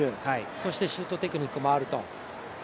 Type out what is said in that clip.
そしてシュートテクニックもあると。